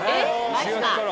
マジか。